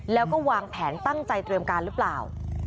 แล้วก็วางแผนตั้งใจเตรียมการหรือเปล่า